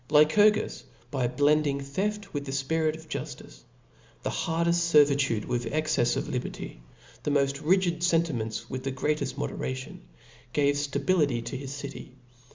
Lycurgus, by blending theft with the fpirit of juftice, the hardeft fcrvitude with excefs of liberty, the moft rigid fen timents with the greateft moderation, gave ftability to his city.